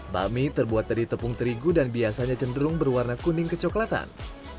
bakmi terbuat dari tepung terigu dan biasanya cenderung berwarna kuning kecoklatan